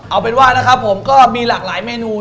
เอาเป็นว่านะครับผมก็มีหลากหลายเมนู